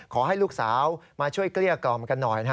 ขอให้ลูกสาวมาช่วยเกลี้ยกล่อมกันหน่อย